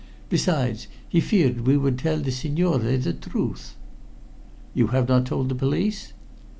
"Besides, he feared we would tell the signore the truth." "You have not told the police?"